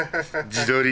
自撮り。